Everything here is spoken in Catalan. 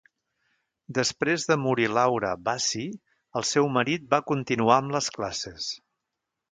Després de morir Laura Bassi, el seu marit va continuar amb les classes.